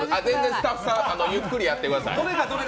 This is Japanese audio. スタッフさんはゆっくりやってください。